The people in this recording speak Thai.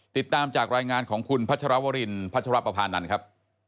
ติดตามจากรายงานของคุณพัชรวรินพัชรปภานันทร์ครับ